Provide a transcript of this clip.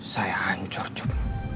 saya hancur cup